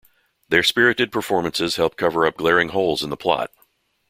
Their spirited performances help cover up glaring holes in the plot.